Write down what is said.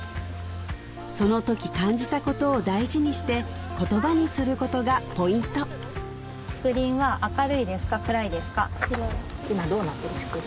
そのとき感じたことを大事にして言葉にすることがポイントいいね